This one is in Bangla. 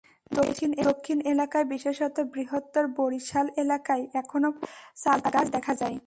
দেশের দক্ষিণ এলাকায় বিশেষত বৃহত্তর বরিশাল এলাকায় এখনো প্রচুর চালতাগাছ দেখা যায়।